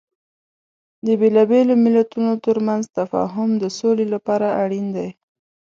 د بیلابیلو مليتونو ترمنځ تفاهم د سولې لپاره اړین دی.